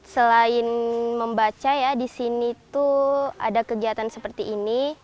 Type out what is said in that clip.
selain membaca ya di sini tuh ada kegiatan seperti ini